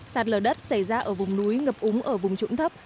sạt lở đất xảy ra ở vùng núi ngập úng ở vùng trũng thấp